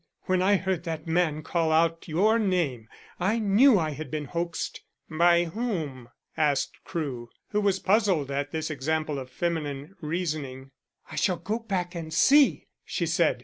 "When I heard that man call out your name, I knew I had been hoaxed." "By whom?" asked Crewe, who was puzzled at this example of feminine reasoning. "I shall go back and see," she said.